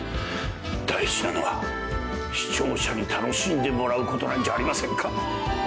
大事なのは視聴者に楽しんでもらうことなんじゃありませんか。